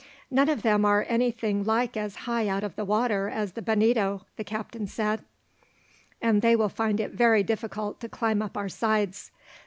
"None of them are anything like as high out of the water as the Bonito," the captain said, "and they will find it very difficult to climb up our sides.